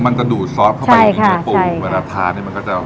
มันจะดูดซอสเข้าไปในเนื้อปูเวลาทานนี่มันก็จะ